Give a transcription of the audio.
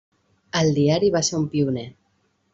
El diari va ser un pioner.